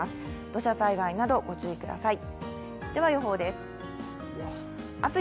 土砂災害など、ご注意ください。